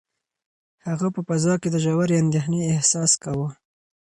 هغه په فضا کې د ژورې اندېښنې احساس کاوه.